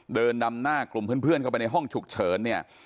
เดินนำหน้ากลุ่มเพื่อนเข้าไปในห้องฉุกเฉินเนี่ย